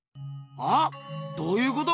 は？どういうこと？